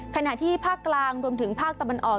ขณะที่ภาคกลางรวมถึงภาคตะวันออก